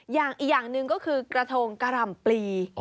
อีกอย่างนึงก็คือกระทงการำปลี